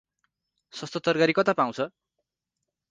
सस्तो तरकारी कता पाउछ?